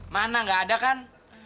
mana gak ada kan